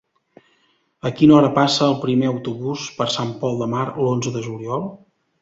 A quina hora passa el primer autobús per Sant Pol de Mar l'onze de juliol?